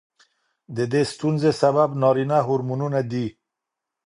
د دې ستونزې سبب نارینه هورمونونه دي.